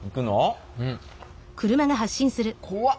怖っ。